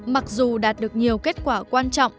mặc dù đạt được nhiều kết quả quan trọng